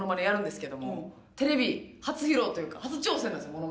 テレビ初披露というか初挑戦なんですものまねが。